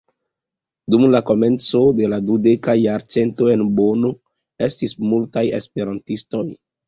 Dum la komenco de la dudeka jarcento en Bono estis multaj esperantistoj.